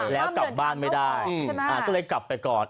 แล้วกลับบ้านไม่ได้ก็เลยกลับไปก่อน